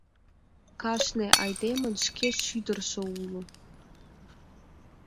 — Кажне айдемын шке шӱдыржӧ уло.